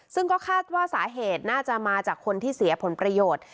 ซึ่งก็คาดว่าสาเหตุน่าจะมาจากคนที่เสียผลประโยชน์